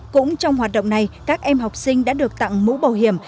cũng trong hoạt động này các em học sinh đã được tặng mũ bảo hiểm